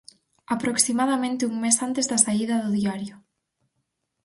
Aproximadamente un mes antes da saída do diario.